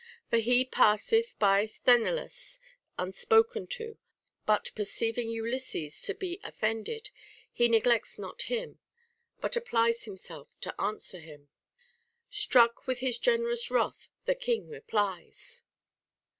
For he passeth by Sthene lus unspoken to ; but perceiving Ulysses to be offended, he neglects not him, but applies himself to answer him :— Struck with his generous wrath, the king replies.